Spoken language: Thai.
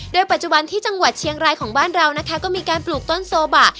โดยปัจจุบันที่จังหวัดเชียงรายของบ้านเรานะคะก็มีการปลูกต้นโซบะ